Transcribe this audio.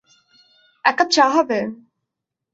এক কাপ চা হবে?